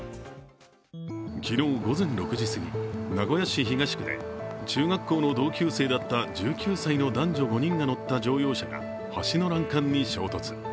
昨日午前６時過ぎ、名古屋市東区で中学校の同級生だった１９歳の男女５人が乗った乗用車が橋の欄干に衝突。